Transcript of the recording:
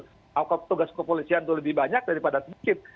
tapi kalau petugas kepolisian itu lebih banyak daripada sedikit